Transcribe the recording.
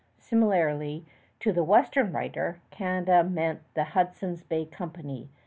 Similarly, to the western writer, Canada meant the Hudson's Bay Company.